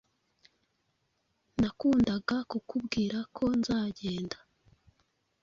nakundaga kukubwira ko nzagenda